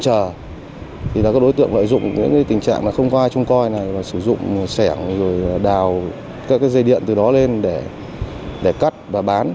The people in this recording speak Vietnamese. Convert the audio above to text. rồi đào các dây điện từ đó lên để cắt và bán